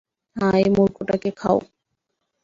হ্যাঁ, এই মূর্খটাকে খাও।